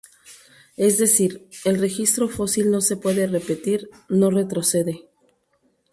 Es decir, el registro fósil no se puede repetir, no retrocede.